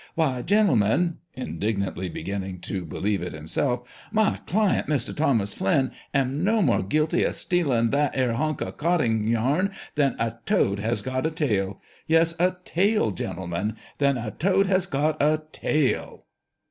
"Why, gentlemen" (indignantly, beginning to believe it himself), "my client, Mr. Thomas Flinn, am no more guilty of stealin' that aer hank o' cotting yarn than a toad has got a tail. Yes, a tail, gentlemen ! Than a toad has got a tail